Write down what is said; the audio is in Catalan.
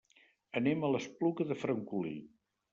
Anem a l'Espluga de Francolí.